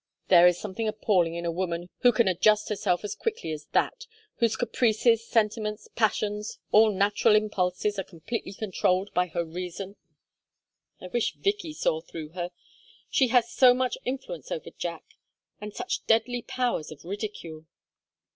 there is something appalling in a woman who can adjust herself as quickly as that; whose caprices, sentiments, passions, all natural impulses, are completely controlled by her reason. I wish Vicky saw through her; she has so much influence over Jack, and such deadly powers of ridicule.